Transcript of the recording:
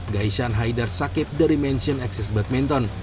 gaisan haidar sakib dari mansion access badminton